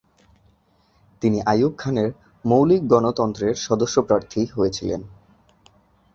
তিনি আইয়ূব খানের ‘মৌলিক গণতন্ত্রের’ সদস্য প্রার্থী হয়েছিলেন।